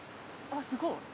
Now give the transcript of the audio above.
あっすごい。